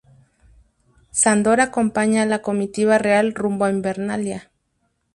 Sandor acompaña a la comitiva real rumbo a Invernalia.